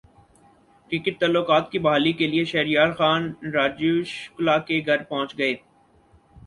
cricket تعلقات کی بحالی کیلئے شہریار خان راجیو شکلا کے گھرپہنچ گئے